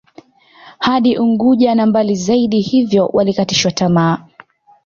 Hadi Unguja na mbali zaidi hiyvo walikatishwa tamaa